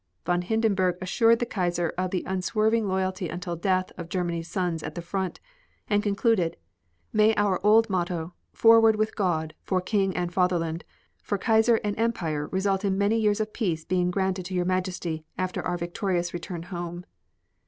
Von Hindenburg assured the Kaiser of the unswerving loyalty until death of Germany's sons at the front, and concluded "May our old motto 'Forward with God for King and Fatherland, for Kaiser and Empire' result in many years of peace being granted to your Majesty after our victorious return home."